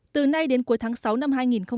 từ nay đến cuối tháng sáu năm hai nghìn một mươi chín